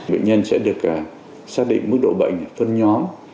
bệnh nhân sẽ được xác định mức độ bệnh phân nhóm